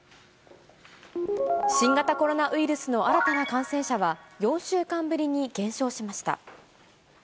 新型コロナウイルスの新たな感染者は、４週間ぶりに減少しました。